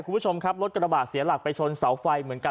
คุณผู้ชมครับรถกระบาดเสียหลักไปชนเสาไฟเหมือนกัน